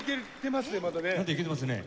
まだいけてますね。